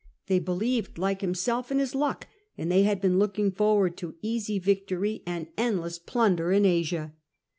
They believed, like himself, in his luck, and they had been looking forward to easy victory and endless 124 SULLA plunder in Asia.